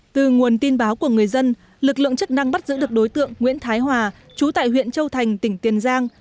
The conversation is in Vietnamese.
từ nguồn tin báo của người dân lực lượng chức năng bắt giữ được đối tượng nguyễn thái hòa chú tại huyện châu thành tỉnh tiền giang